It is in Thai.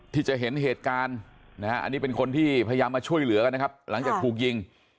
ที่จะเห็นเหตุการณ์นะฮะอันนี้เป็นคนที่พยายามมาช่วยเหลือกันนะครับหลังจากถูกยิง